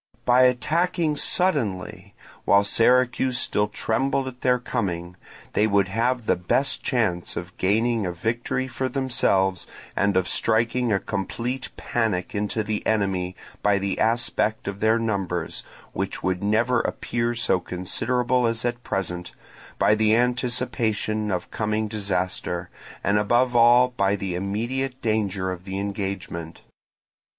By attacking suddenly, while Syracuse still trembled at their coming, they would have the best chance of gaining a victory for themselves and of striking a complete panic into the enemy by the aspect of their numbers—which would never appear so considerable as at present—by the anticipation of coming disaster, and above all by the immediate danger of the engagement.